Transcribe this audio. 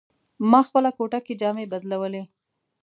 ما خپله کوټه کې جامې بدلولې.